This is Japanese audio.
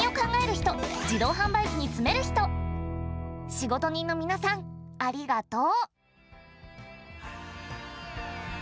仕事人のみなさんありがとう！